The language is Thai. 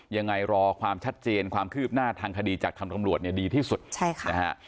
ยังไงรอความชัดเจนความคืบหน้าทางคดีจากทางตำรวจเนี่ยดีที่สุดใช่ค่ะนะฮะ